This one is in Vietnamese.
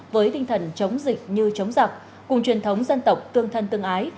với tinh thần chống dịch như chống giặc cùng truyền thống dân tộc tương thân tương ái